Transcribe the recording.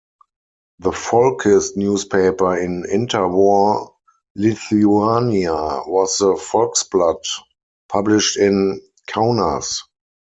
The Folkist newspaper in interwar Lithuania was the 'Folksblat', published in Kaunas.